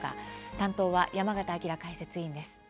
担当は山形晶解説委員です。